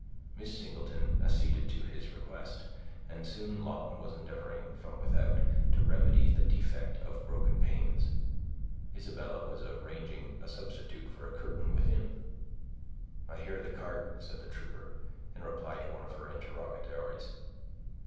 Miss Singleton acceded to his request, and while Lawton was endeavoring, from without, to remedy the defect of broken panes, Isabella was arranging a substitute for a curtain within. "I hear the cart," said the trooper, in reply to one of her interrogatories.